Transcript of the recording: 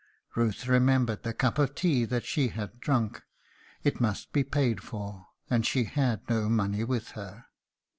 Ruth remembered the cup of tea that she had drunk; it must be paid for, and she had no money with her.